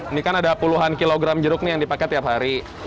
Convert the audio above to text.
ini kan ada puluhan kilogram jeruk nih yang dipakai tiap hari